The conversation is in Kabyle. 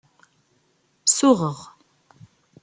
Suɣeɣ.